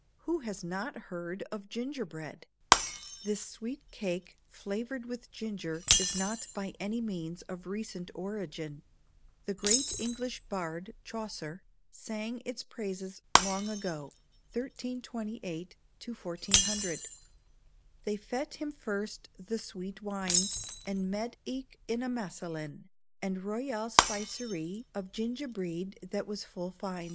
Who has not heard of ginger bread? This sweet cake flavored with ginger is not by any means of recent origin. The great English bard Chaucer sang its praises long ago (1328 1400): "They fette him first the sweete wyn, And mede eek in a maselyn, And roial spicerye Of ginge breed that was full fyn."